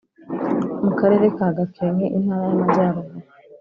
mu karere ka gakenke, intara y’amajyaruguru